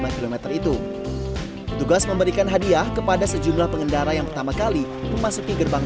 lima km itu tugas memberikan hadiah kepada sejumlah pengendara yang pertama kali memasuki gerbang